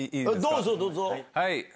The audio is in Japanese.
どうぞ、どうぞ。